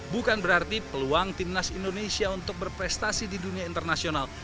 bukan berarti peluang timnas indonesia untuk berprestasi di dunia internasional